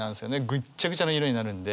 ぐっちゃぐちゃな色になるんで。